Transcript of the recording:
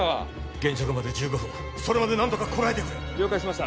現着まで１５分それまで何とかこらえてくれ了解しました